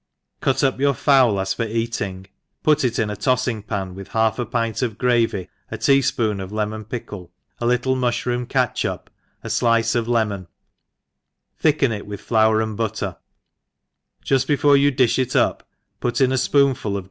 CUT up your fowl as for eating, put it in a tofiing pan, with half a pint of gravy, a tea fpoonlul of lemon pickle, a little muihroom catchup, a flice of lemon, thicken it with flour and butter; juft before you difh it; up put in a * Ipoonful I EJIGLISH HOUSE KEEFER.